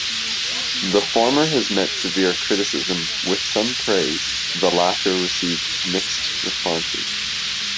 The former has met severe criticism with some praise, the latter received mixed responses.